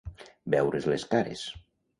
Veure's les cares.